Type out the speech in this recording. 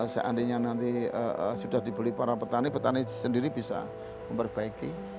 seandainya nanti sudah dibeli para petani petani sendiri bisa memperbaiki